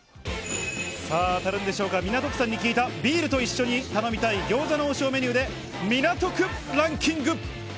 港区さんに聞いたビールと一緒に頼みたい餃子の王将メニューで港区ランキング。